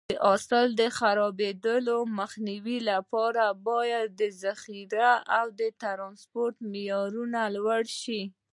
د حاصل د خرابېدو مخنیوي لپاره باید ذخیره او ټرانسپورټ معیارونه لوړ شي.